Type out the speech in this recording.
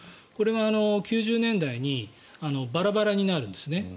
これが９０年代にバラバラになるんですね。